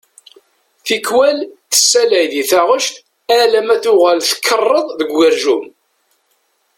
Tikwal tessalay di taɣect alamma tuɣal tkeṛṛeḍ deg ugerjum.